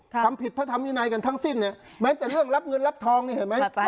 ทำผิดพระธรรมวินัยกันทั้งสิ้นเนี่ยแม้แต่เรื่องรับเงินรับทองนี่เห็นไหม